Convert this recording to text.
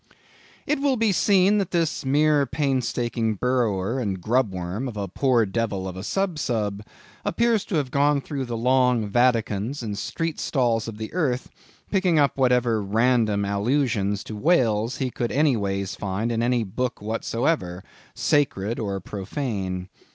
It will be seen that this mere painstaking burrower and grub worm of a poor devil of a Sub Sub appears to have gone through the long Vaticans and street stalls of the earth, picking up whatever random allusions to whales he could anyways find in any book whatsoever, sacred or profane.